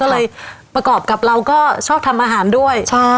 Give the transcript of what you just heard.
ก็เลยประกอบกับเราก็ชอบทำอาหารด้วย